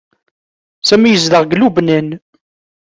Sami yezdeɣ deg Lubnan.